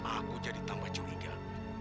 aku jadi tambah curiga